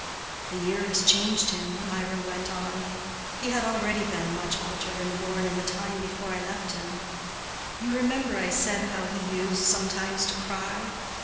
"The year has changed him," Mirah went on. "He had already been much altered and worn in the time before I left him. You remember I said how he used sometimes to cry.